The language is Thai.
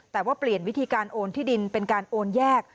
แต่ว่าเปลี่ยนวิธีการโอนที่ดินเป็นการโอนแยก